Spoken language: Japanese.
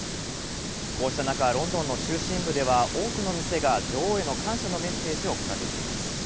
こうした中、ロンドンの中心部では多くの店が女王への感謝のメッセージを掲げています。